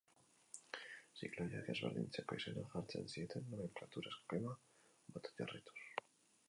Zikloiak ezberdintzeko izenak jartzen zieten, nomenklatura eskema bat jarraituz.